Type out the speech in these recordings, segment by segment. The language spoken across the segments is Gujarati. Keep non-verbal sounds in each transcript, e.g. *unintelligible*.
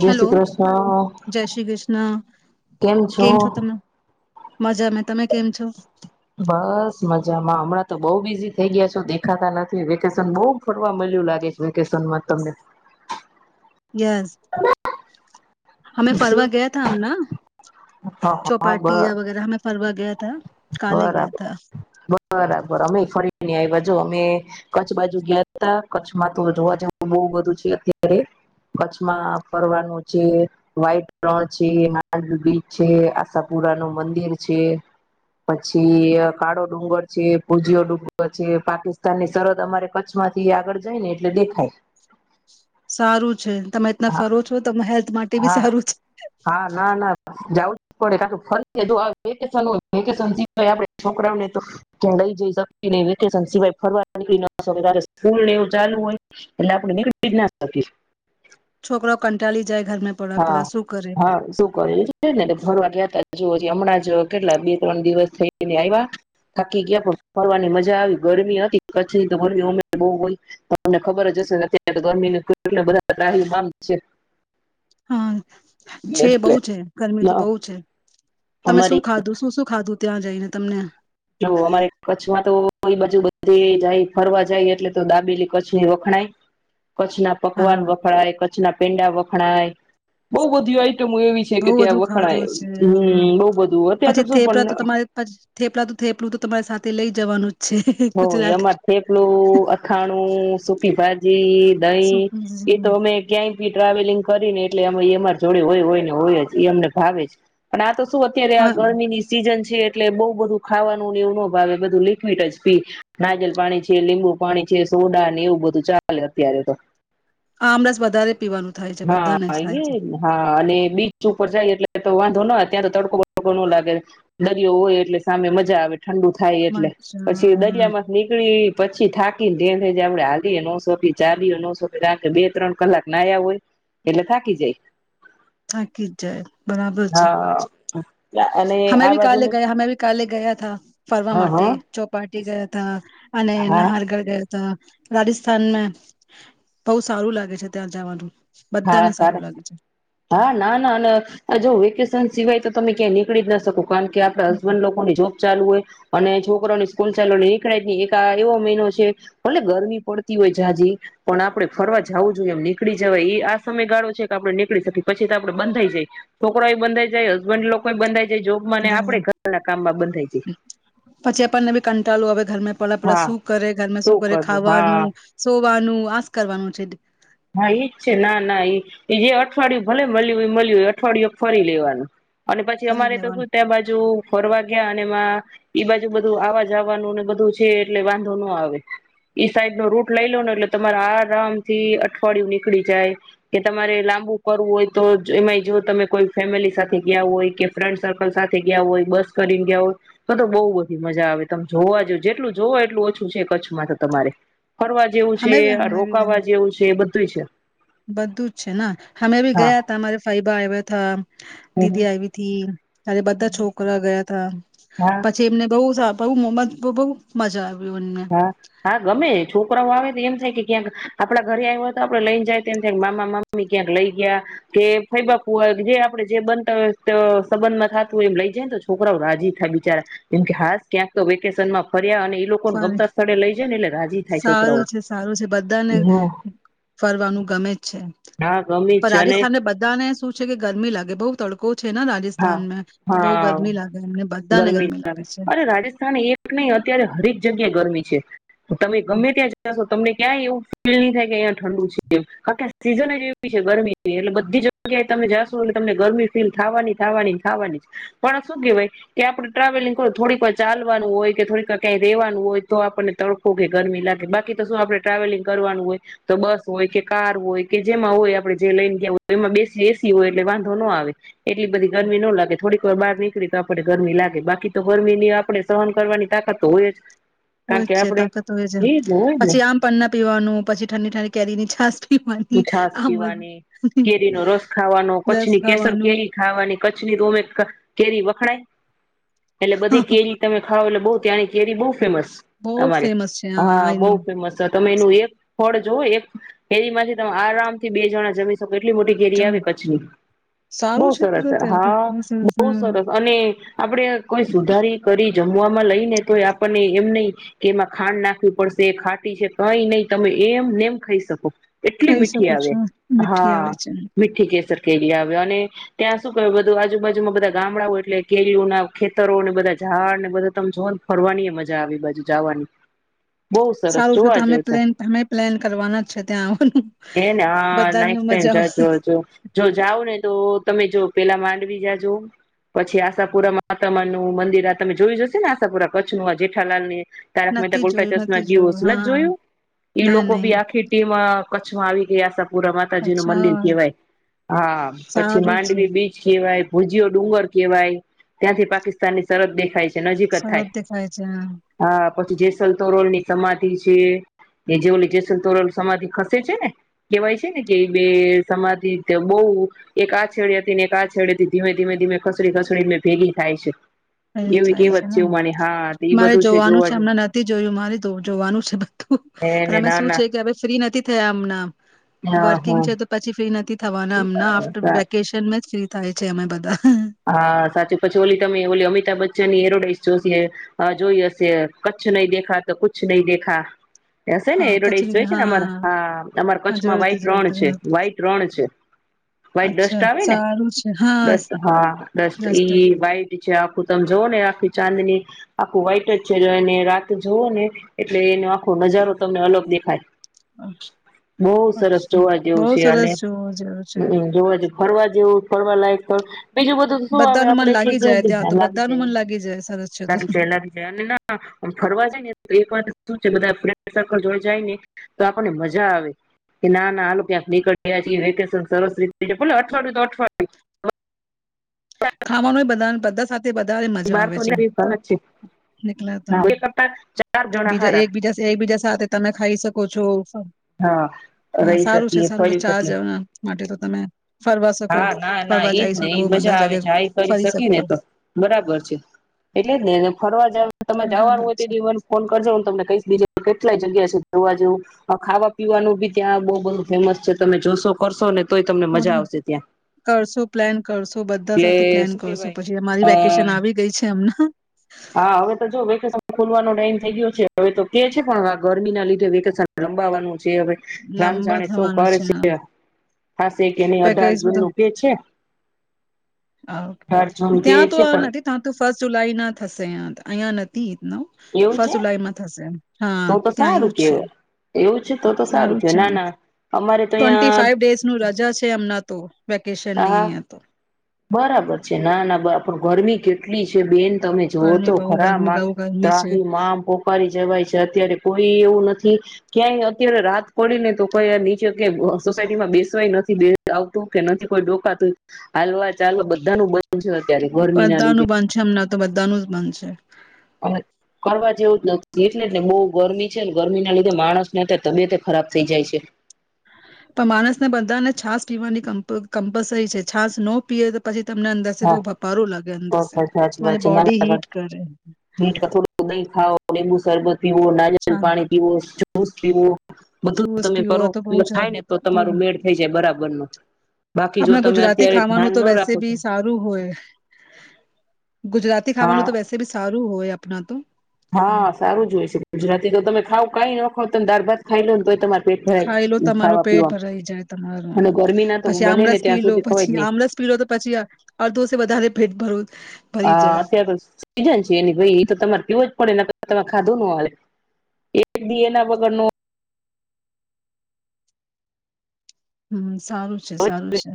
જય હલો શ્રી કૃષ્ણ જય શ્રી કૃષ્ણ કેમ છો તમે મજામે તમે કેમ છો બસ મજામાં હમણાં તો બોહ બિઝી થઈ ગયા છો દેખાતા નથી વેકેશન બોહ ફરવા મળ્યું લાગે છે, વેકેશનમાં તમને ગેસ. હમે શું? ફરવા ગયા થ હમ ના હા હા બ ચોપાટી વગેરા હમે ફરવા ગયા કાલે ગયા બરાબર થા બરાબર અમે ફરીને આવ્યા જો અમે કચ્છ બાજુ ગયા હતા કચ્છમાં તો જોવા જેવું બોહ બધું છે અત્યારે કચ્છમાં ફરવાનું છે વાહિત રણ છે માંદવી બીચ છે આશાપુરા નું મંદિર છે પછી કાળો ડુંગર છે પૂજીયો ડુંગર છે પાકિસ્તાન ની સરહદ અમારે કચ્છમાંથી આગળ જાય ને એટલે દેખાય સારું છે તમે એ રીતના હા ફરો છો ત હેલ્થ માટે બી હા સારું છે. હા ના ના જવું પડે કા તો ફરી લીધું હવે વેકેશન હોય વેકેશન જલદીપભાઈ આપણે છોકરાઓને તો લઈ જઈ શકતી નહીં વેકેશન સિવાય ફરવા જવાનું સ્કૂલ ને એવું ચાલુ હોય એટલે આપણે નીકળી જ ના શકીએ. છોકરો કંટાલી હા હા શું કરું *unintelligible* ફરવા ગ્યાતા જોવો હજી હમણાં જ કેટલા બે ત્રણ દિવસ થઈને આવ્યા થાકી ગયા પણ ફરવાની મજા આવી ગરમી હતી કચ્છની તો ગરમી ઓમે બહુ હોય તમને ખબર જ હશે અત્યારે તો ગરમીના કેટલા બધાં *inaudible* હા છે બહુ છે ગરમી તો બહુ છે. તમે અમારી શું ખાધું શું શું ખાધ ધું ત્યાં જઈને તમને જો અમારે કચ્છમાં તો ઈ બાજુ બધે જાઈ ફરવા જાઈ એટલે તો દાબેલી કચ્છની વખણાય કચ્છના પકવાન હા વખણાય કચ્છના પેંડા વખ ખણાય બહુ બધી આઈ ટમુ એવી છે કે બહુ ત્યાં બધું વખણાય ખાધું છે હા. હમ બહુ બધું અત્યારે પછી તો શું પન થેપલા તો તમારે પછી થેપલા તો થેપલું તો તમારી સાથે લઈ જવાનું. જ છે હો એ ગુજરાતી અમાર થેપલું, અથાણું, સુકી ભાજ જી શું દહીં એ તો અમે ક્યાંય ટ્રાવેલિંગ કરીને એટલે અમે અમારા જોડે હોય હોય ને હોય જ એ અમને ભાવે જ અને આ તો શું શું અત્યારે આ હા ગરમીની સીજન છે. છે એટલે બઉ બધું ખાવાનું ને એવું નો ભાવે બધું લિક્વિટ જ થી નાગલ પાણી છે, લીંબુ પાણી છે, સોડાને એવું બધું ચાલે અત્યારે તો આમરસ વધારે. પીવાનું થાય છે હા બધાને જ થાય એ છે હા અને બીચ ઉપર જાઈ એટલે તો વાંધો નો આવે ત્યાં તો તડકો બડકો નો લાગે દરિયો હોય એટલે સામે મજા આવે. ઠંડુ થાય એટલે પછી મજા દરિયામાં નીકળી પછી થાક કીને ઘેન થઈ જાય આપડે હાલીએ નો સકી ચાલીએ નો શકી કારણ કે બે ત્રણ કલાક નાયા હોય. એટલે થાકી જઈ થાકી જ જાય બરાબર છે. હા અને અમે આ બી બાજુ કાલે ગયા અમે બી કાલે ગયાથા ફરવા હા માટે હા ચોપાટી ગયાતા અને હા નહરગઢે ત રાજસ્થાનના બહુ સારું લાગે છે ત્યાં જાવાનું. હા સારાસ. હા, ના, ના અને આ જોવો વેકેશન સિવાય તો તમે ક્યાંય નીકળી જ ન શકો કારણ કે આપડા હસબન્ડ લોકોની જોબ ચાલુ હોય, અને છોકરાવની સ્કૂલ ચાલુ, એટલે નીકળાય જ નહીં. એક આ એવો મહિનો છે, ભલે ગરમી પડતી હોય જાજી, પણ આપડે ફરવા જાવું જોઈએ એમ નીકળી જવાય, ઈ આ સમયગાળો છે કે આપડે નીકળી શકી પછી તો આપણે બંધાઈ જાય, છોકરોય બંધાઈ જાય, હસબન્ડ લોકોય બંધાઈ જાય *unintelligible* જોબમાં ને આપડે ઘરના કામમાં બંધાઈ જાય પછી આપણને ભી કંટાળુ આવેહ ઘરમાં પળપળા હા શું કરે, ઘર શું કરે, કરવું હા ખાવાનું શું વાનું આસ કરવાનું છે તે હા એજ છે, ના, ના ઈ જે અઠવાડિયું ભલે મલ્યું ઈ મલ્યું, અઠવાડિયુ એક ફરી લેવાનું. અને પછી કરી અમારે તો હું, લેવાનું ત્યાં બાજુ ફરવા ગયા એમાં ઈ બાજુ બધું આવા જવાનું ને ઈ બધું છે, એટલે વાંધો નો આવે, ઈ સાઈડ નો રૂટ લઈ લો ને એટલે તમારે આરામથી અઠવાડિયુ નીકળી જાય કે તમારે લાંબુ કરવું હોય તો જ, એમાંય જો તમે કોઈ ફેમિલી સાથે ગયા હોય, કે ફ્રેન્ડ સર્કલ સાથે ગયા હોય, બસ કરીન ગયા હોય, તો-તો બહુ બધી મજા આવે તમે જોવા જો, જેટલું જોવો એટલું ઓછું છે કચ્છમાં તો તમારે. ફરવા જેવું છે, અમે આ બી રોકાવા જેવું છે, બધ ધુઈ છે. બધું જ છે, ના, હમે બી હા ગયા તા અમારે ફઈબા આવ્યા તા, હમ દીદી આયવી તી ત્યારે બધા હમ, છોકરા ગયા તા. હા પછી એમને બઉુ સા બહુ મોમજ બહુ મજા આવે. હા હા ગમે છોકરાઓ આવે એમ થાય કે ક્યાંક આપડા ઘરે આવ્યા હોય તો આપડે લઈને જાઇએ થાય મામા મામી ક્યાંક લઈ ગયા, કે ફઈબા ફુવા હોય, જે આપડે જે બનતા હોય સંબંધમાં થતું હોય એમ લઈ જાય ને તો છોકરા રાજી થાય, બિચારા જેમ કે હાસ ક્યાંક તો વેકેશનમાં ફર્યા અને એ લોકોને સ્થળે લઈ જાય ને એટલે રાજી થાય સારું છોકરાઓ છે સારું છે બધાને, ફરવાનું ગમે છે, હા ગમે પણ છે આજે અને સ્થાને બધાને શું છે કે ગરમી લાગે બઉુ તડકો છે ને હા રાજસ્થાનમાં તો બહુ હા ગરમી લાગે એમને બધાને ગરમી, લાગે છે અરે રાજસ્થાન એક નય અત્યારે હરેક જગ્યા ગરમી છે. તમે ગમે ત્યાં જશો તમને ક્યાંય એવું ફીલ નહી થાય કે અહીં ઠંડુ છે એમ, કારણ કે સીઝન જ એવી છે, ગરમી એટલે બધી જગ્યાએ તમે જાશો એટલે તમને ગરમી ફીલ થવાની જ. ખાવાની ખાવાની પણ શું કેહવાય કે આપડે ટ્રાવેલિંગ કર થોડીક ચાલવાનું હોય કે થોડીક કઈ રેવાનું હોય, તો આપણને તડકો કે ગરમી લાગે, બાકી તો શું આપણે ટ્રાવેલિંગ કરવાનું હોય તો બસ હોય કે કાર હોય કે, જેમાં હોય આપણે જે લઈને ગયા હોય એમાં બેસી એસી હોય એટલે વાંધો નો આવે. એવી બધી ગરમી નો લાગે, થોડીક વાર બાર નીકળી તો આપડે ગરમી લાગે બાકી તો ગરમી ની આપણે સહન કરવાની તાકાત તો હોય જ. હોય કારણ જ કે છે આપણે તાકાત હોય છે, એ જ હોય પછી આમ પણ ના પીવાનું પછી ઠંડી ઠંડી કેરીની છાસ પી છાસ પીવાની, કેરીનો રસ ખાવાનો રસ કચ્છની કેસર ખાવાનું કેરી ખાવાની કચ્છની તો અમે કેરી હણે *unintelligible* એટલે બધી કેરી તમે ખાવ એટલે બહુ ત્યાંની કેરી બવ ફેમસ, બહુ જ અમારે ફેમસ છે હા બવ આઈનો ફેમસ. તમે એનું એક ફળ જોવો, એક કેરીમાંથી આરામ થી બે જણા જમી કેટલી મોટી કેરી જમ આવે કચ્છની સારું બો છે તો સરસ ત્યારે તો હા બસ, બસ, બો હા. સરસ અને આપડે કોઈ સુધારી કરી જમવાવામાં લઈ ને તો આપણને એમ નહી કે એમાં ખાંડ નાખવી પડશે ખાટી છે, કઈ નહી તમે એમ નેમ ખાઈ શકો. એટલી ખાઈ મીઠી શકો આવે છો મીઠી આવે હા છે. મીઠી કેસર કેરી આવે અને ત્યાં સુું કે બધું આજુબાજુમાં બધા ગામડાઓય એટલે કેરી ઓના ખેતરો ને બધા ઝાડ ને બધા ત જો ફરવાની એ મજા આવી બાજુ જવાની બહુ સરસ સારું તો જોવા તમે જેવું પ્લેન અમે પ્લેન કરવાના જ છે, ત્યાં આવ એ ને હા *unintelligible* આવશે જજો જો જાવે ને તો તમે જો પેલા માંડવી જા જો પછી હુંરાપુરા માતમણ મંદિર આ તમે જોઈ જશે ને આશાપુરા કચ્છનું આ જેઠાલાલ ની તારક મહેતા નથી ગુલ જોયું નથી *unintelligible* જોયું દિવસ નધ હા જોયું એ ના લોકો નહી બી આખી ટીમ કચ્છમાં આવી ગયા સ પુરા માતાજી નું અચ્છા મંદિર હા, કવાય હા પછી સારું છે માંડવી બીચ કેવાય ભુજીઓ ડુંગર કહેવાય ત્યાંથી પાકિસ્તાન ની સરરદ દેખાય છે. નજીક જ સરસ થાય. દેખાય છે હા હા. પછી જેસલતોરલ ની સમાધિ છે, એ જે ઓલી જેસલતોરલ સમાધિ *unintelligible* *unintelligible* છે ને કહેવાય છે ને કે ઈ બે સમાધિ તો બહું એક આ છેડીયા થી ને એક આ છેડેથી ધીમે-ધીમે-ધીમે ખસડી-ખસડી ભેગી થાય છે. અ એવી થાય છે, કેવત માની હા એ મારે બધું જોવાનું જોવા છે, જો હમણા નથી જોયું મારે જોવાનું છે બધું પણ એને અમે ના શું ના છે, કે હવે ફ્રી નથી થ મ ના હા વર્કિંગ છે, તો પછી ફ્રી નથી. થવાના અમના આફ્ટર હા વેકેશન જ થાય છે, અમે બધા હં હા સાચું. પછી ઓલી તમે ઓલી અમિતાભ બચ્ચનની એડવડાઈસ જોશે, જોઈ હશે, કચ્છ નહીં દેખા તો કુછ નહીં દેખા. એ હશે ને હા એડવડાઈઝ કચરી જોઈ છે ને અમારા, હા, અમાર હા કચ્છમાં જોયું તું વ્હાઈટ જોયું રણ તું છે, હા વ્હાઈટ રણ છે, વ્હાઈટ અચ્છા ડસ્ટ આવે ને, સારું છે હા ડસ્ટ, હા. ડસ્ટ, જસ્ટ ઈ વ્હાઈટ છે આખું, તમ જોઓ ને ઈ આખી ચાંદની આખું વ્હાઈટ જ છે, એટ એને રાત જવો ને એટલે એનો આખો નજારો તમને અલગ દેખાય. બહું સરસ અચ્છા જોવા બહુ જેવું છે, અને સરસ જોવું જેવું છે જોવા જેવું ફરવા જેવું ફરવા લાયક બીજું બધું શું હવા બધાનું મન આપડે લાગી એટલી જાય ત્યાં *unintelligible* તો લાગી બધાનું જાય, મન લાગી જાય સરસ છે તો લાગી જાય, લાગી જાય અને ના ફરવા જાય ને તો એક વાર તો શું છે બધા ફ્રેન્ડ સર્કલ જોડે જાયને તો આપણને મજા આવે, કે ના-ના હાલો ક્યાંક *unintelligible* વયા જાય, વેકેશન સરસ રીતે, ભલે અઠવાડિયું તો અઠવાડિયું. ખાવાનુંય બધાન બધા સા વધારે મજા બાર આવે તો છે, નીકળી ફરજ છે નીકલાતા બે કરતા ચાર જણા બીજા હારા એકબીજા એકબીજા સાથે તમે ખાઈ શકો છો. હા હા, રહી સારું શકીએ છે-સારું છે. ફરી ચા શકીએ જવાના માટે તો તમે ફરવા શકો, હા ના ના ફરવા એજ જઈ ને શકો, એઈ મજા બધા આવે જગે કરી શકી ને તો, બરાબર છે. એટલે જ ને. ને ફરવા જાવ તમે જવાનું બરાબર હોય તે છે દિવ મને ફોન કરજો હું તમને કહીશ દીજે. કેટલાય જગ્યા ફરવા જવું ખાવા પીવાનું બી ત્યાં બઉ બધુ ફેમસ છે તમે જોશો કરશો ને. તોય તમને મજા *unintelligible* આવશે ત્યાં કરશું પ્લાન, કરશું, બધા સાથે એટલે પ્લાન શું કરશું, કેવાય પછી અમારી વેકેશન આવી ગઈ છે હમણા. હા હવે તો જોવ વેકેશન ખુલવાનો ટાઈમ થઈ ગયો છે, હવે તો કે છે પણ હવે આ ગરમી ના લીધે વેકેશન લંબાવવાનું છે એ હવે રામ લાંબા જાણે શું થવાના છે હા. કરશે. થાશે કે નહીં, અઢાર પેકેજ જૂન બધા નું કયે છે. હા, અઢાર જૂન કયે છે પણ ફસ્ટ જુલાઈના થશે અહીંયા તો, અહીંયા નથી. ન એવું ફ છે જુલાઈ માં થશે એમ. તો તો સારું કેવ, એવું છે તો તો સારું કેવું છે ના મને. ના અમારે તો અહં ા છેમ વેકેશનની હા અહીંયા તો. બરાબર છે ના ના પણ કેટલી છે બેન. તમે જોઓ ગરમી તો બહુ ગરમી ખરા બહુ ગરમી છે ત્રાહી મામ પોકારી જવાય છે. કોઈ એવું નથી, ક્યાંય અત્યારે રાત પડીને તોઈ નીચે સોસાયટીમાં બેસવાય નથી આવતું કે નથી કોઈ ડોકાતું, હાલવા ચાલ બધાનું બંધ છે અત્યારે ગરમી ના બધા ન લીધે બંધ છે અમને તો બધા ન જ બંધ છે. અને કરવા જેવું જ નથી એટલેને બહુ ગરમી છેને ગરમીના લીધે માણસને અત્યારે તબિયત ખરાબ થઈ જાય છે. પણ માણસને બધાને છાસ પીવાની કમ્પલસરી છે છાસ ન પીએ તો પછી. તમને અંદર બહ ભપારું લાગે અંદર હા સાચી તમારી વાત છે બોડી નાના હીટ કરે. થોડી મુસરબત પીવો નાિલ છાસ પાણી પીવો. *unintelligible* બધું જુસ તમે પીવો કરો તો બહુ જ થાય ને તો બહુ. તમારું મેળ થઈ જાય બરાબર નો, બાકી જો આપણા તમે ગુજરાતી અત્યારે ખાવાનું ધ્યાન તો ન વૈસે રાખો તો બી *unintelligible* ગુજરાતી ખાવાનું હા તો વેસેસા ભ સારું હોય. આપણા તો. હા પણ સારું જ હોય છે ગુજરાતી તો તમે ખાવ કઈ નાખો. દરબાર ખાઈ લો તો તમારે. પેટ ભરાય ખાઈ લો તમારો ખાવા પેટ પીવા ભરાઈ જાય તમાર, અને ગરમી ના તો પછી બને ને આમળસ પી ત્યાં લો સુધી ખવાય જ પછી નહી આમળસ પી લો તો પછી અડધોસે વધારે ભેટ. બરો હા અત્યારે તો સીજન છે એ ભાઈ એ તો તમારે પીવો જ પડે. તમે ખાધુ નો હાલે દી એના વગડનો હમ્મ. સારું છે, સારું છે.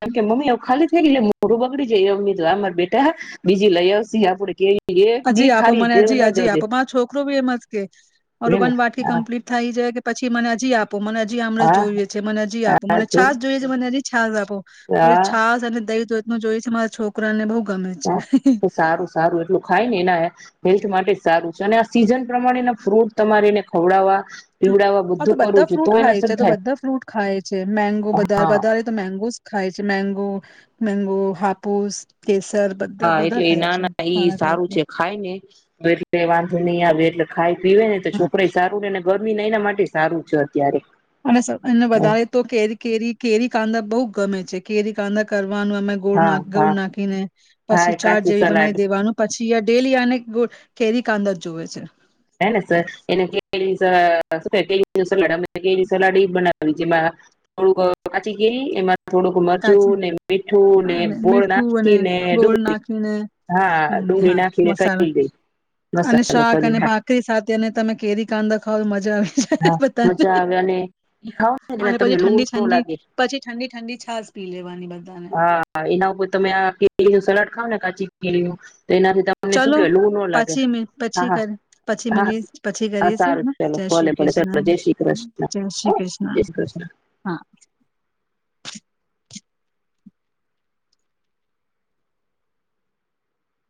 કાણ કે મમ્મીઓ ખાલી થઈ ગઈ એટલે મોઢું બગડી જાય ઓ *unintelligible* બેટા બીજી લઈ આવશું આપડે ઈ કે હજી આપો મને હજી હજી આપો. મા છોકરો બી એમ જ કે મારુ હેને વન વાકી હા કમ્પ્લીટ થઈ જાય કે પછી મને હજી આપ તો મન હજી આમરસ હા જોઈએ છે, મને હજી આપો હા મને છાસ જોઈએ છે, મને હજી છાસ આપો, પહી હા છાસ અને દહીં તો હું જોઈ છે મારા છોકરા ને બઉ હા તો સારું-સારું એટલું ખાય ન એના હેલ્થ માટે સારું છે અને આ સીઝન પ્રમાણેના ફ્રૂટ તમારે એને ખવડાવવા પીવડાવવા આ તો બધું કરવું બધા છે તો ફ્રૂટ એને ખાય છે શું તો બધા ફ્રૂટ ખાય છે મેંગો થાય બધાય હા વધારે તો મેંગો સ ખાય છે, મેંગો મેંગો હાપુસ કેસર બધા હા એટલે બધા ઈ ખાય છે નાના ઈ મારા ઘરે સારું તો છે ખાય ને એટલે વાંધો નહીં આવ એ ખાય પીવે ને તો છોકરાય સારું ને એન ઘ ને એના માટે ય સારું છે અત્યારે. અને સ અ એને હા વધારે તો કેરી-કેરી-કેરી કાંદા બવ ગમે છે કેરી કાંદા કર વાનું અમે ગોળ ના ગોળ હા નાખીને હા પછી એ ચાટ કાચું જેવી સલાડ બનાવી દેવાનું પછ છીએ ડેલી આને ગો કેરી કાંદ જ જોવે છે. સલાડ અ શું કે સલાડ અમે ઈ સલાડ બનાવી જેમાં અ થોડુંક કાચી કેરી એમાં થોડુંક કાચી મરચું ને મીઠું ને અને ગોળ મીઠું અને નાખીને અ ગોળ ડુંગળી, નાખીને હા હમ, ડુંગળી હા નાખીને મસાલા કરી દઈ મસાલો કરી હા. કરી સાથે અને તમે કેરી કાંદા ખાઓ મજ બધાને મજા આવે અને ખાવ ને અને તમને પછી લૂ ન ઠંડી-ઠંડી લાગે પછી ઠંડી-ઠંડી છાસ. લેવાની બાત હા ઈના ઉપર તમે આ કેરીનું સલાડ ખાવ ને કાચી કેરીઓ ચાલો પછી મીલ હા પછી હા કર પછી હા મલીસ પછી હા કરીશું સારું ના ચલો જય ભલે શ્રી ભલે ચલો ક્રષ્ણ જય શ્રી કૃષ્ણ જય શ્રી ક્રષ્ણ, શ્રી કૃષ્ણ હા.